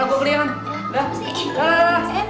lalu gue kelihatan